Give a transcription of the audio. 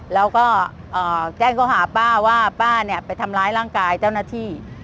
แล้วก็แจ้งเขาหาป้าว่าป้าเนี่ยไปทำร้ายร่างกายเจ้าหน้าที่